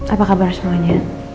apa kabar semuanya